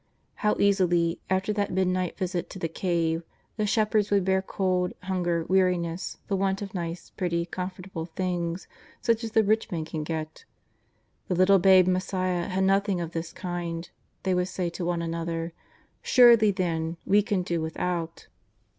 How easily, after that midnight visit to the cave, the shepherds would bear cold, hunger, weari ness, the want of nice, pretty, comfortable things such as the rich can get. " The little Babe Messiah had noth ing of this kind,'^ they would say to one another; " surely, then, we can do without."